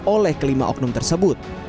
oleh kelima oknum tersebut